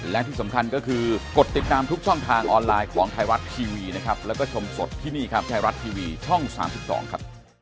และที่สำคัญก็คือกดติดตามทุกช่องทางออนไลน์ของไทยรัฐทีวีนะครับแล้วก็ชมสดที่นี่ครับไทยรัฐทีวีช่อง๓๒ครับ